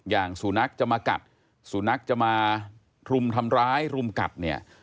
อย่างสุนัขจะมากัดสุนัขจะมารุมทำร้ายรุมกัดเนี่ย